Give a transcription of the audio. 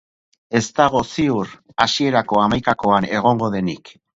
Ez dago ziur hasierako hamaikakoan egondo denik.